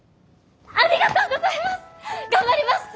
ありがとうございます！